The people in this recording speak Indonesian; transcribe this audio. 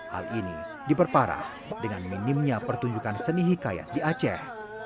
hal ini diperparah dengan minimnya pertunjukan seni hikayat di aceh